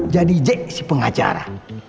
jadi jack si pengacara